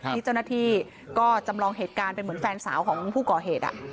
ที่เจ้าหน้าที่ก็จำลองเหตุการณ์เป็นเหมือนแฟนสาวของผู้ก่อเหตุ